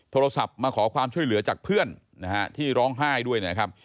โทรศัพท์มาขอความช่วยเหลือจากเพื่อนที่ร้องไห้ด้วย